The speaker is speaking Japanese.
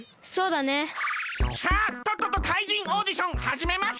さあとっとと怪人オーディションはじめますか！